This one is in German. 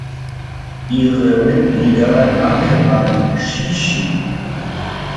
Ihre Mitglieder nannte man "Shishi".